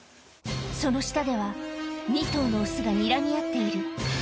その下では、２頭の雄がにらみ合っている。